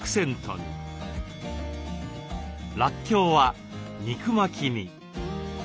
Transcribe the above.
らっきょうは肉巻きに。